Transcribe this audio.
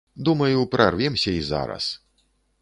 Думаю, прарвемся і зараз.